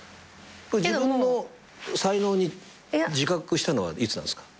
自分の才能に自覚したのはいつなんですか？